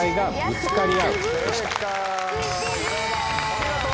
お見事！